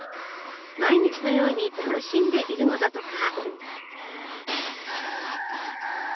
毎日のように楽しんでいるのだとか。